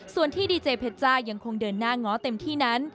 ส่วนที่ดีเจเพชจ้ายังคงเดินหน้าง้อเต็มที่นั้น